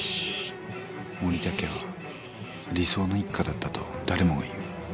［森田家は理想の一家だったと誰もが言う］